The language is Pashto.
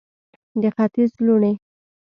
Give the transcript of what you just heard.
د ختیځ لوڼې